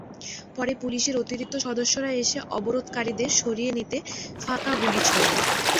পরে পুলিশের অতিরিক্ত সদস্যরা এসে অবরোধকারীদের সরিয়ে দিতে ফাঁকা গুলি ছোড়েন।